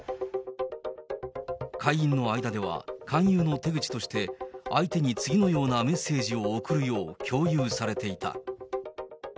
会員の間では勧誘の手口として、相手に次のようなメッセージを送るよう共有されていた。